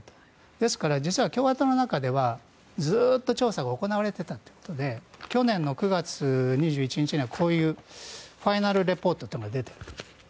ですから、実は共和党の中ではずっと調査が行われていたということで去年の９月２１日はこういうファイナルリポートが出ているんですね。